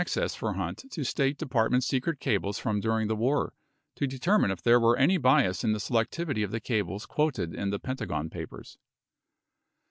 cess for Hunt to State Department secret cables from during the war to determine if there were any bias in the selectivity of the cables quoted in the Pentagon Papers.